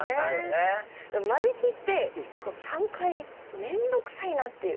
間引きって３回面倒くさいなっていう。